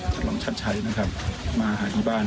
ท่านรองชัดใช้นะครับมาหาที่บ้าน